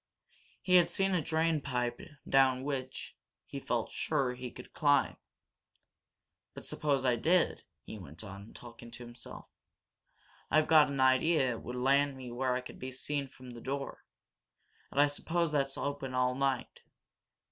He had seen a drain pipe down which, he felt sure, he could climb. "But suppose I did," he went on, talking to himself. "I've got an idea it would land me where I could be seen from the door and I suppose that's open all night.